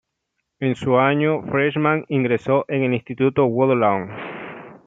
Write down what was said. En su año freshman ingresó en el Instituto Woodlawn.